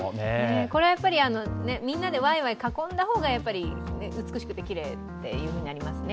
これ、みんなでワイワイ囲んだ方が美しくてきれいっていうふうになりますね。